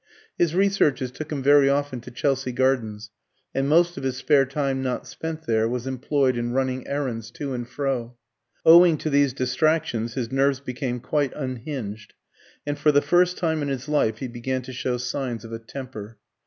His researches took him very often to Chelsea Gardens, and most of his spare time not spent there was employed in running errands to and fro. Owing to these distractions his nerves became quite unhinged, and for the first time in his life he began to show signs of a temper.